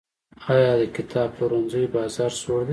آیا د کتاب پلورنځیو بازار سوړ دی؟